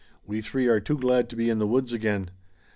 We three are too glad to be in the woods again.